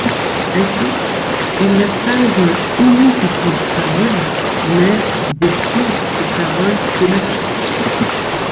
Ainsi, elle n'a pas un unique porte-parole, mais des porte-paroles thématiques.